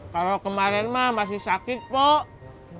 kalau kemarin mah masih sakit kok